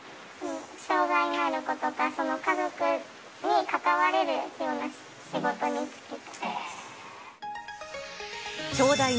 障がいのある子とか、その家族に関われるような仕事に就きたい。